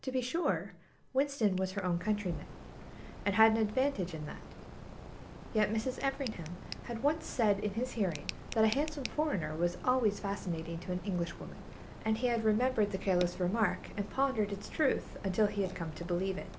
To be sure, Winston was her own countryman, and had an advantage in that; yet Mrs. Everingham had once said in his hearing that a handsome foreigner was always fascinating to an Englishwoman, and he had remembered the careless remark and pondered its truth until he had come to believe it.